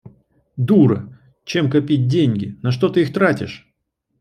Дура, чем копить деньги, на что ты их тратишь?